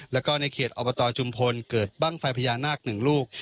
แล้วก็ในเขตอบตชุมพลเกิดบ้างไฟพญานาคหนึ่งลูก